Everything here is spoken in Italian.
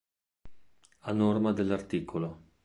A norma dell'art.